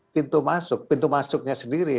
pintu masuk pintu masuknya sendiri